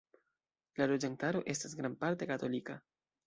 La loĝantaro esta grandparte katolika.